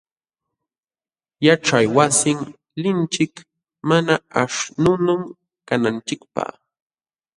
Yaćhaywasin linchik mana aśhnunu kananchikpaq.